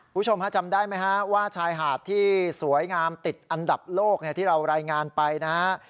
คุณผู้ชมฮะจำได้ไหมฮะว่าชายหาดที่สวยงามติดอันดับโลกที่เรารายงานไปนะฮะ